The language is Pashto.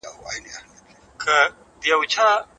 که د کارګرانو روغتیایي معاینه وسي، نو ناروغۍ نه پټیږي.